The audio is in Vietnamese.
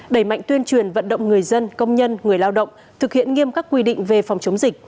đẩy mạnh tuyên truyền vận động người dân công nhân người lao động thực hiện nghiêm các quy định về phòng chống dịch